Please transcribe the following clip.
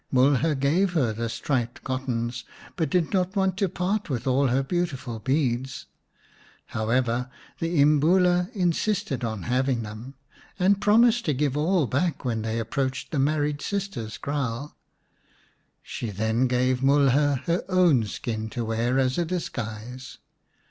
Mulha gave her the striped cottons, but did not want to part with all her beautiful beads. 230 xix The Beauty and the Beast However, the Imbula insisted on having them, and promised to give all back when they approached the married sister's kraal. She then gave Mulha her own skin to wear as a disguise.